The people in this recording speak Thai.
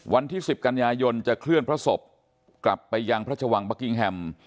วันที่๑๐กันยายนจะเคลื่อนพระศพกลับไปยังพระชวังบะกิงแฮม